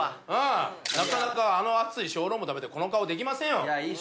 なかなかあの熱い小籠包食べてこの顔できませんよ。